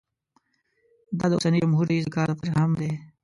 دا د اوسني جمهور رییس د کار دفتر هم دی.